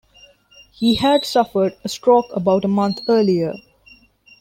He had suffered a stroke about a month earlier.